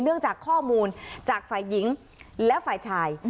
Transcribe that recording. จากข้อมูลจากฝ่ายหญิงและฝ่ายชาย